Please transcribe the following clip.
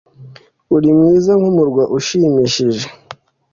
Uri mwiza nk Umurwa Ushimishije